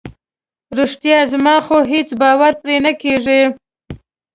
رښتیا؟ زما خو هیڅ باور پرې نه کیږي.